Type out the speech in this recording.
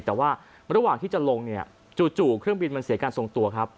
แต่ว่าระหว่างที่จะลงเนี่ยจู่เครื่องบินมันเสียการทรงตัวครับ